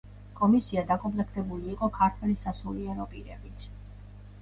კომისია დაკომპლექტებული იყო ქართველი სასულიერო პირებით.